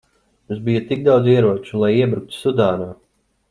Jums bija tik daudz ieroču, lai iebruktu Sudānā.